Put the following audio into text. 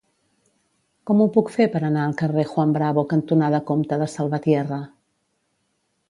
Com ho puc fer per anar al carrer Juan Bravo cantonada Comte de Salvatierra?